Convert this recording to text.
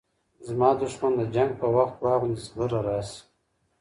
زما دښمن د جنګ په وخت واغوندي زغره راسي